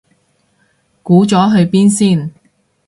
估咗去邊先